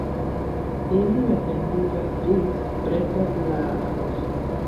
Ili etendiĝas ĝis preter la anuso.